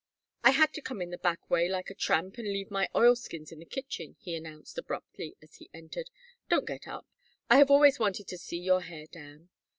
"I had to come in the back way like a tramp and leave my oil skins in the kitchen," he announced, abruptly, as he entered. "Don't get up. I have always wanted to see your hair down.